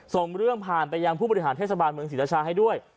ส่งเรื่องผ่านไปยังผู้บริหารเทศบาลเมืองศรีราชาให้ด้วย